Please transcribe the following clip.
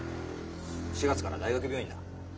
４月から大学病院だ。